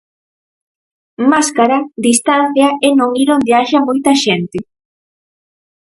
Máscara, distancia e non ir onde haxa moita xente.